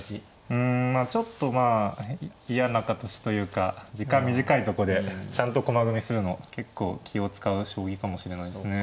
うんまあちょっとまあ嫌な形というか時間短いとこでちゃんと駒組みするの結構気を遣う将棋かもしれないですね。